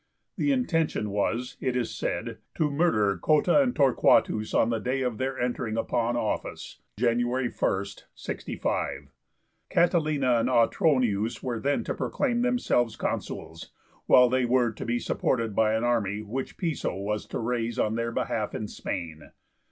The intention was, it is said, to murder Cotta and Torquatus on the day of their entering upon office (January 1, 65). Catilina and Autronius were then to proclaim themselves Consuls, while they were to be supported by an army which Piso was to raise on their behalf in Spain.